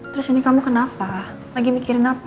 terus ini kamu kenapa lagi mikirin apa